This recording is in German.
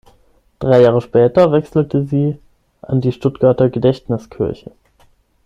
Drei Jahre später wechselte sie an die Stuttgarter Gedächtniskirche.